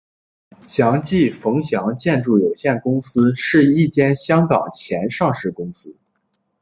祥记冯祥建筑有限公司是一间香港前上市公司。